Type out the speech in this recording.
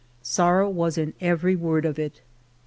Sorrow was in every word of it.